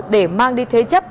để mang đi thế chấp